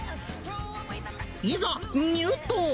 いざ、入刀。